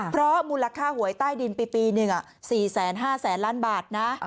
เพราะมูลค่าหวยใต้ดินปีหนึ่ง๔๕๐๐๐ล้านบาทนะ